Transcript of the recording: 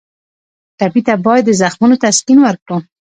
ټپي ته باید د زخمونو تسکین ورکړو.